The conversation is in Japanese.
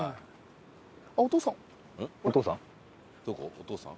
お父さん？